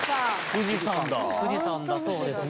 富士山だそうですね。